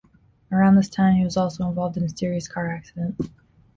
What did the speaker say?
Around this time he was also involved in a serious car accident.